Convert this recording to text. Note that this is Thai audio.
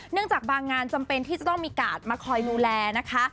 จากบางงานจำเป็นที่จะต้องมีกาดมาคอยดูแลนะคะ